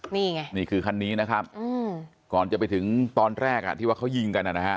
นี่ไงนี่คือคันนี้นะครับก่อนจะไปถึงตอนแรกอ่ะที่ว่าเขายิงกันนะฮะ